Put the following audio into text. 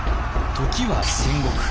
時は戦国。